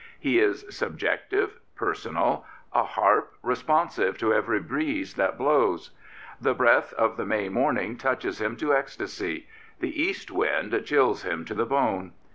He is subjective, personal, a harp responsive to every breeze that blows. The breath of the May morning touches him to ecstasy ; the east wind chills him to the bone.